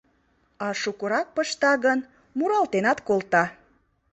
А шукырак пышта гын, муралтенат колта.